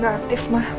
nggak aktif ma